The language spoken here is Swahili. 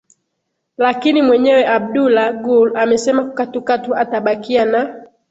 Lakini mwenyewe Abdullah Gul amesema katukatu atabakia na